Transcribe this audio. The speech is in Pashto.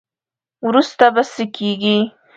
وروسته به څه کیږي.